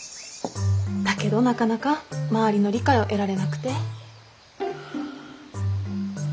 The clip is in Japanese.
だけどなかなか周りの理解を得られなくて。